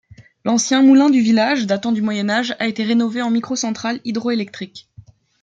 L'ancien moulin du village, datant du moyen âge, a été rénové en microcentrale hydroélectrique.